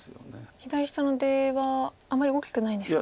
左下の出はあまり大きくないんですか。